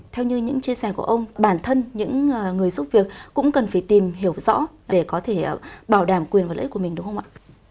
theo như những chia sẻ của ông bản thân những người giúp việc cũng cần phải tìm hiểu rõ để có thể bảo đảm quyền và lợi ích của mình đúng không ạ